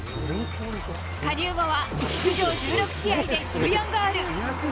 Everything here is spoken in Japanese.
加入後は出場１６試合で１４ゴール。